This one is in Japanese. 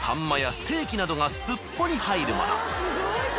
まやステーキなどがすっぽり入るもの。